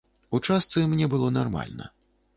У частцы мне было нармальна.